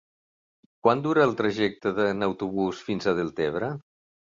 Quant dura el trajecte en autobús fins a Deltebre?